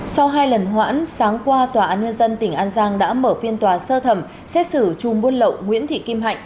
sau hai lần hoãn sáng qua tòa án nhân dân tỉnh an giang đã mở phiên tòa sơ thẩm xét xử chùm buôn lậu nguyễn thị kim hạnh